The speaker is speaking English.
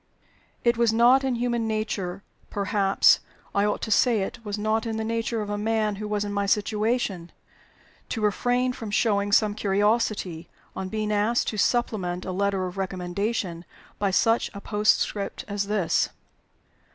It was not in human nature perhaps I ought to say it was not in the nature of a man who was in my situation to refrain from showing some curiosity, on being asked to supplement a letter of recommendation by such a postscript as this.